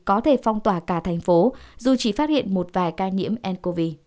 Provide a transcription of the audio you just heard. có thể phong tỏa cả thành phố dù chỉ phát hiện một vài ca nhiễm ncov